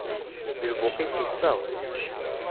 Lbuq-is iffeɣ.